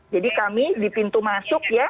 jadi kami di pintu masuk ya